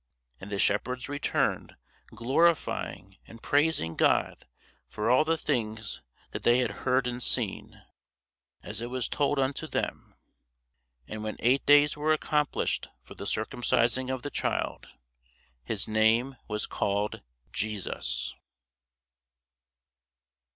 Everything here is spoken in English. And the shepherds returned, glorifying and praising God for all the things that they had heard and seen, as it was told unto them. And when eight days were accomplished for the circumcising of the child, his name was called JESUS.